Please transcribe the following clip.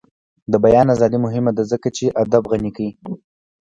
د بیان ازادي مهمه ده ځکه چې ادب غني کوي.